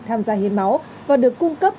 tham gia hiên máu và được cung cấp